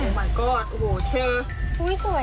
สวยมาเนี่ย